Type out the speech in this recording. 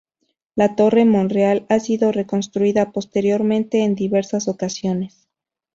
La Torre Monreal ha sido reconstruida posteriormente en diversas ocasiones.